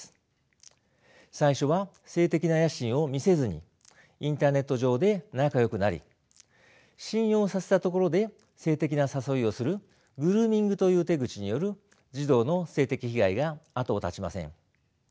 最初は性的な野心を見せずにインターネット上で仲よくなり信用させたところで性的な誘いをするグルーミングという手口による児童の性的被害が後を絶ちません。